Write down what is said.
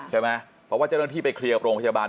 ใช่ไหมเพราะว่าจันนาธิไปเคลียร์กับโรงพยาบาล